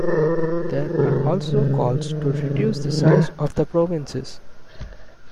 There are also calls to reduce the size of the provinces.